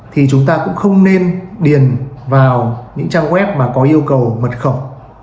thì chúng ta cũng không nên điền vào những trang web mà có yêu cầu mật khẩu